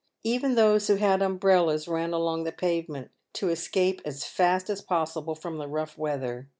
Even those who had umbrellas ran along the pavement to escape as fast as possible from the rough weather.